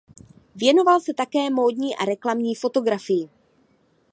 Věnoval se také módní a reklamní fotografii.